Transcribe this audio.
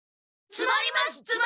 つまります！